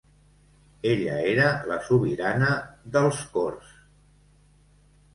Ella era la sobirana dels cors.